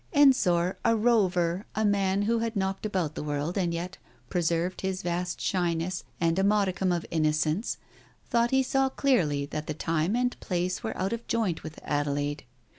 Ensor, a rover, a man who had knocked about the world and yet preserved his vast shyness and a modicum of innocence, thought he saw clearly that the time and place were out of joint with Adelaide.